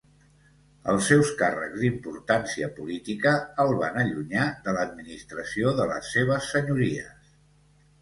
Els seus càrrecs d'importància política el van allunyar de l'administració de les seves senyories.